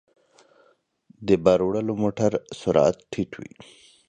د بار وړلو موټر سرعت ټيټ وي.